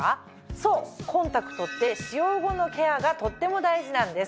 そうコンタクトって使用後のケアがとっても大事なんです。